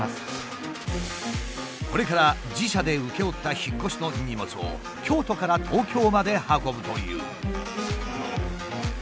これから自社で請け負った引っ越しの荷物を京都から東京まで運ぶという。